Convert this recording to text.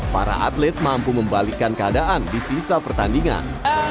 para atlet mampu membalikkan keadaan di sisa pertandingan